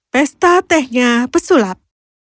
pesta tehnya pesulap